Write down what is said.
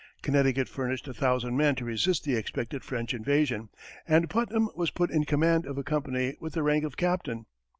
Connecticut furnished a thousand men to resist the expected French invasion, and Putnam was put in command of a company with the rank of captain.